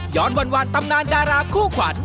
ย้อนวลวลตำนานดาราคู่ขวัญ